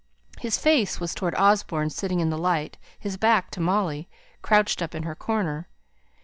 His face was towards Osborne, sitting in the light; his back to Molly, crouched up in her corner.